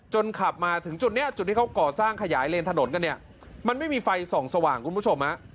ขับมาถึงจุดนี้จุดที่เขาก่อสร้างขยายเลนถนนกันเนี่ยมันไม่มีไฟส่องสว่างคุณผู้ชมฮะ